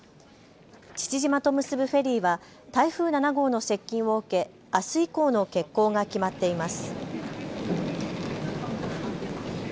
父島と結ぶフェリーは台風７号の接近を受け、あす以降の欠航が決まっています。